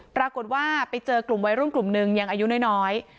ปรากฏว่าไปเจอกลุ่มวัยรุ่นกลุ่มหนึ่งยังอายุน้อย